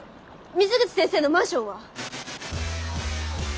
水口先生のマンションは？